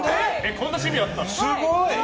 こんな趣味あったの。